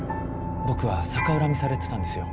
僕は逆恨みされてたんですよ。